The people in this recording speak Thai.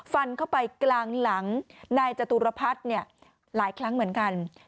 ฟันเข้าไปกลางหลังนายจตุรพัฒน์เนี่ยหลายครั้งเหมือนกัน